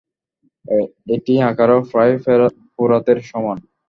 এটি আকারেও প্রায় ফোরাতের সমান।